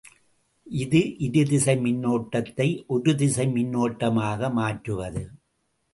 இது இருதிசை மின்னோட்டத்தை ஒருதிசை மின்னோட்டமாக மாற்றுவது.